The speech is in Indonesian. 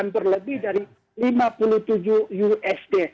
berlebih dari lima puluh tujuh usd